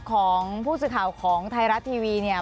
ของผู้สื่อข่าวของไทยรัฐทีวีเนี่ย